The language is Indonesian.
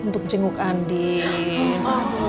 untuk jenguk andin